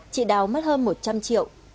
chị đào mất hơn một trăm linh triệu